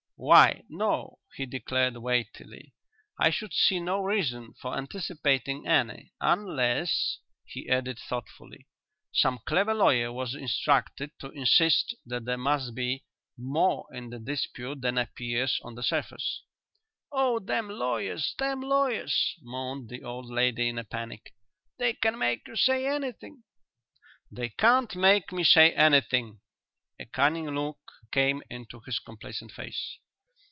"Why, no," he declared weightily. "I should see no reason for anticipating any. Unless," he added thoughtfully, "some clever lawyer was instructed to insist that there must be more in the dispute than appears on the surface." "Oh, them lawyers, them lawyers!" moaned the old lady in a panic. "They can make you say anything." "They can't make me say anything." A cunning look came into his complacent face.